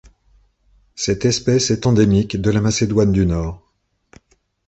Cette espèce est endémique de la Macédoine du Nord.